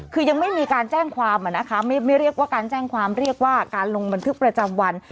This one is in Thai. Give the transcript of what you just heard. คือยังไม่มีการแจ้งความนะคะไม่เรียกว่าการแจ้งความเรียกว่าการลงบันทึกประจำวัน